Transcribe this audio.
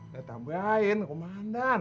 ya tambahin komandan